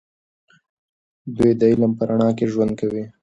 دوی د علم په رڼا کې ژوند کوي.